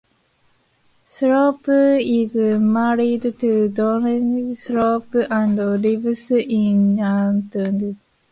Thorpe is married to Donella Thorpe and lives in the Austin, Texas area.